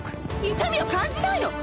痛みを感じないの？